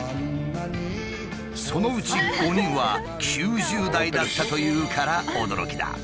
そのうち５人は９０代だったというから驚きだ。